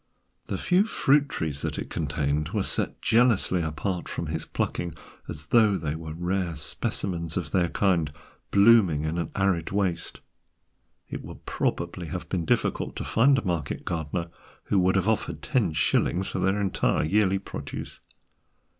The few fruit trees that it contained were set jealously apart from his plucking, as though they were rare specimens of their kind blooming in an arid waste; it would probably have been difficult to find a market gardener who would have offered ten shillings for their entire yearly produce.